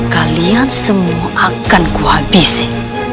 kalian semua akan kuhabisi